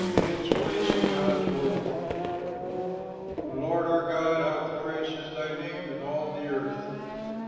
MAN'S PLACE IN GOD'S WORLD O Lord, our God, how glorious Is thy name in all the earth!